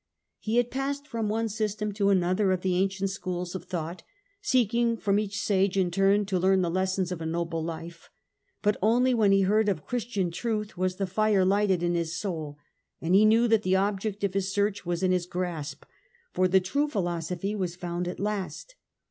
He had passed from one system to another of the ancient schools of thought, seeking from each sage in turn to learn the lessons of a noble life ; but only when he heard of Christian truth was the hre lighted in his soul, and he knew that the object of his search was in his grasp, for the true philosophy was found at last.